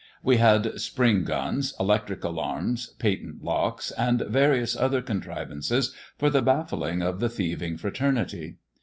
"We had spring guns, electric alarms, patent locksy and various other contrivances for the baffling of the thieving fraternity.